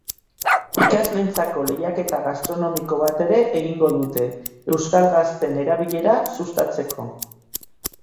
Ikasleentzako lehiaketa gastronomiko bat ere egingo dute, euskal gazten erabilera sustatzeko.